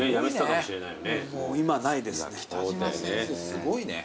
すごいね。